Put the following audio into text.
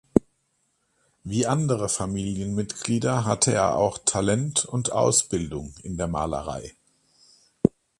Wie andere Familienmitglieder hatte er auch Talent und Ausbildung in der Malerei.